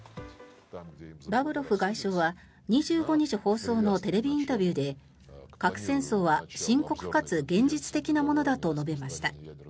ラブロフ外相は２５日放送のテレビインタビューで核戦争は深刻かつ現実的なものだと述べました。